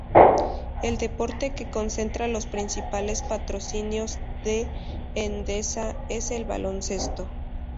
El deporte que concentra los principales patrocinios de Endesa es el baloncesto.